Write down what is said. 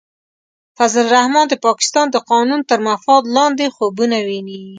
فضل الرحمن د پاکستان د قانون تر مفاد لاندې خوبونه ویني.